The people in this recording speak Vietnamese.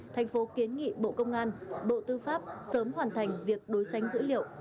thành phố kiến nghị bộ công an bộ tư pháp sớm hoàn thành việc đối sánh dữ liệu